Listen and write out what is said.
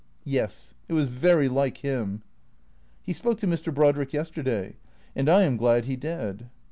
" Yes. It was very like him." " He spoke to Mr. Brodrick yesterday. And I am glad he did."